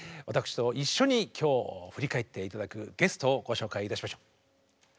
私と一緒に今日振り返って頂くゲストをご紹介いたしましょう。